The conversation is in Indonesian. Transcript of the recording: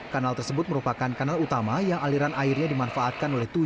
kanal tersebut merupakan kanal utama yang aliran airnya dimanfaatkan oleh